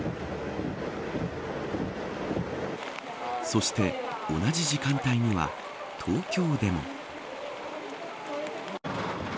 そして同じ時間帯には東京でも。